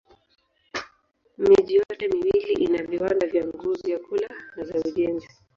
Miji yote miwili ina viwanda vya nguo, vyakula na za ujenzi.